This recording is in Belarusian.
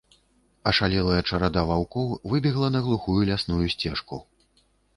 Ашалелая чарада ваўкоў выбегла на глухую лясную сцежку.